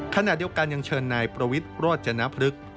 ขณะเดียวกันยังเชิญนายประวิทรวจจะนับลึก